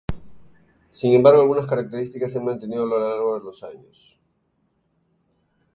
Sin embargo algunas características se han mantenido a lo largo de los años.